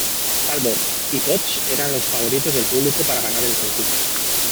Talbot y Potts eran los favoritos del público para ganar el concurso.